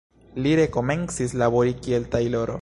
Li rekomencis labori kiel tajloro.